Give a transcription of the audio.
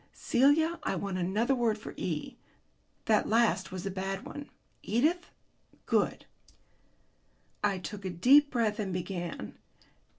Celia, I want another word for E. That last was a bad one." "Edith?" "Good." I took a deep breath and began.